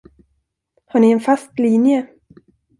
Har ni en fast linje?